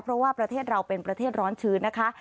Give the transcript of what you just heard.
เพราะว่าประเทศเราเป็นประเทศร้อนชื้นนะคะ